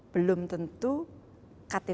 belum tentu kttg dua puluh akan berakhir seperti itu